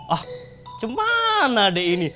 ah cuman adek ini